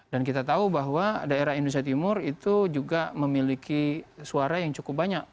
dan kita tahu bahwa daerah indonesia timur itu juga memiliki suara yang cukup banyak